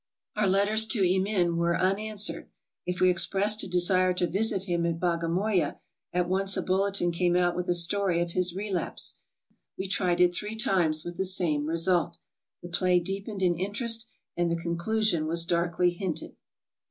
Our letters to Emin were AFRICA 353 unanswered. If we expressed a desire to visit him at Bagamoya, at once a bulletin came out with a story of his relapse. We tried it three times with the same result. The play deepened in interest and the conclusion was darkly hinted.